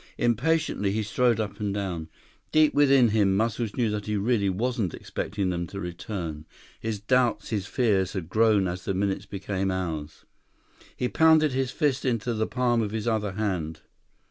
Impatiently, he strode up and down. Deep within him, Muscles knew that he really wasn't expecting them to return. His doubts, his fears had grown as the minutes became hours. He pounded his fist into the palm of his other hand.